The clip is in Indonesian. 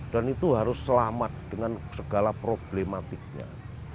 dan itu harus selamat dengan segala problematiknya